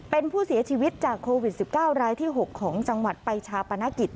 เป็นผู้เสียชีวิตจากโควิด๑๙รายที่๖ของจังหวัดไปชาปนกิจ